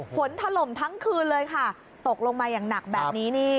ถล่มทั้งคืนเลยค่ะตกลงมาอย่างหนักแบบนี้นี่